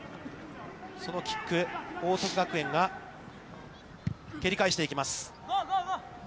そのキック、報徳学園が蹴り返していきます。